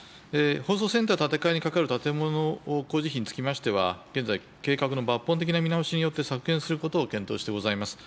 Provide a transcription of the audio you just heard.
放送センター建て替えにかかる建物工事費につきましては、現在、計画の抜本的な見直しによって削減することを検討してございます。